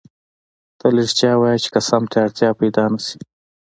تل رښتیا وایه چی قسم ته اړتیا پیدا نه سي